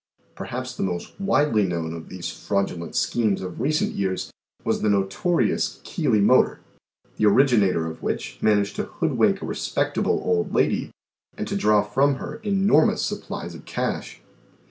Perhaps the most widely known of these fraudulent schemes of recent years was the notorious Keeley motor, the originator of which managed to hoodwink a respectable old lady, and to draw from her enormous supplies of cash.